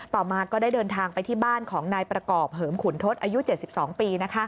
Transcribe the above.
ต่อมาก็ได้เดินทางไปที่บ้านของนายประกอบเหิมขุนทศอายุ๗๒ปี